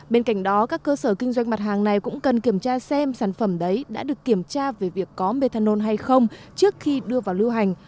bên cạnh đó các cơ sở kinh doanh mặt hàng này cũng cần kiểm tra xem sản phẩm đấy đã được kiểm tra về việc có methanol hay không trước khi đưa vào lưu hành